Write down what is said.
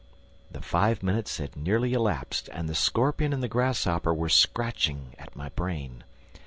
'" The five minutes had nearly elapsed and the scorpion and the grasshopper were scratching at my brain.